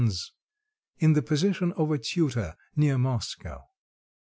's, in the position of a tutor, near Moscow.